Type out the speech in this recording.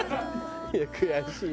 いや悔しいよ。